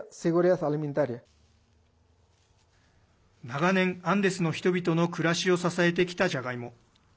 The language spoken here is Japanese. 長年、アンデスの人々の暮らしを支えてきたじゃがいも。